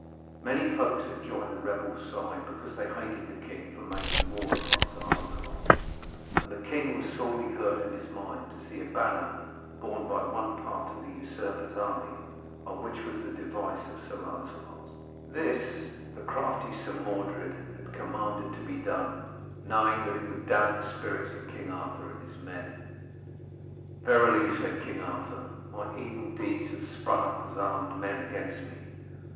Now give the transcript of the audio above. Many folks had joined the rebels' side, because they hated the king for making war upon Sir Lancelot, and the king was sorely hurt in his mind to see a banner borne by one part of the usurper's army, on which was the device of Sir Lancelot's. This the crafty Sir Mordred had commanded to be done, knowing that it would damp the spirits of King Arthur and his men. 'Verily,' said King Arthur, 'my evil deeds have sprung up as armed men against me.